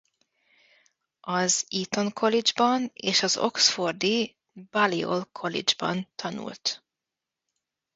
Az Eton College-ban és az oxfordi Balliol College-ban tanult.